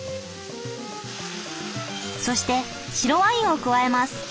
そして白ワインを加えます。